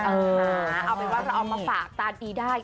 เอ้อเอาเป็นว่าเรามะฝากตาดีได้